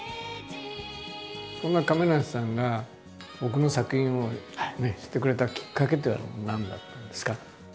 そんな亀梨さんが僕の作品を知ってくれたきっかけっていうのは何だったんですか？